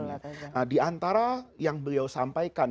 nah diantara yang beliau sampaikan